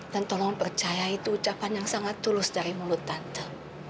dan tolong percaya itu ucapan yang sangat tulus dari mulut tante